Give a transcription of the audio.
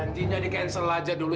janjinya di cancel aja dulu